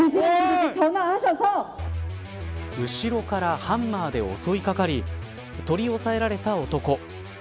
後ろからハンマーで襲いかかり取り押さえられた男。